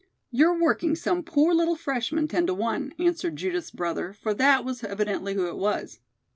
"You're working some poor little freshman, ten to one," answered Judith's brother, for that was evidently who it was.